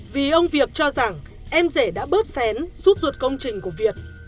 vì ông việt cho rằng em rể đã bớt xén rút ruột công trình của việt